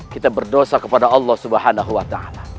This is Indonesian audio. kita berdosa kepada allah swt